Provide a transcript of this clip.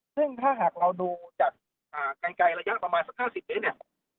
ซึ่งถ้าหากเราดูจากอ่าไกลไกลระยะประมาณสักห้าสิบนิดเนี้ย